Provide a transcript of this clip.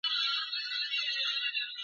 ،د هر اواز سره واخ، واخ پورته کړي،